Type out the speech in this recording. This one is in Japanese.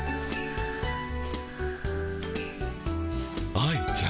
愛ちゃん。